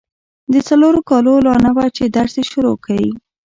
د څلورو کالو لا نه وه چي درس يې شروع کی.